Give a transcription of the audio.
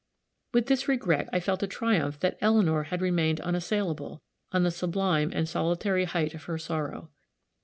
With this regret I felt a triumph that Eleanor had remained unassailable on the sublime and solitary hight of her sorrow.